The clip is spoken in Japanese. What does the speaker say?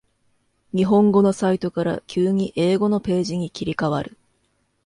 日本語のサイトから急に英語のページに切り替わる